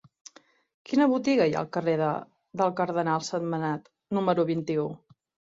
Quina botiga hi ha al carrer del Cardenal Sentmenat número vint-i-u?